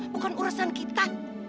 bukan urusan kita